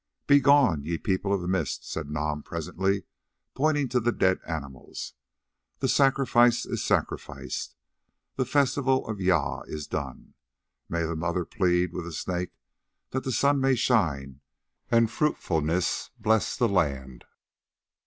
"Begone, ye People of the Mist," said Nam presently, pointing to the dead animals. "The sacrifice is sacrificed, the festival of Jâl is done. May the Mother plead with the Snake that the sun may shine and fruitfulness bless the land!"